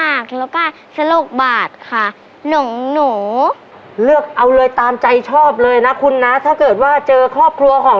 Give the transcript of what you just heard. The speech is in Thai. แล้วก็สโลกบาทค่ะหนูเลือกเอาเลยตามใจชอบเลยนะคุณนะถ้าเกิดว่าเจอครอบครัวของ